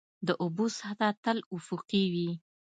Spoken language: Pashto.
د اوبو سطحه تل افقي وي.